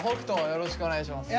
よろしくお願いします。